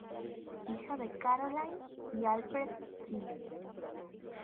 Hija de Caroline y Alfred Seeley.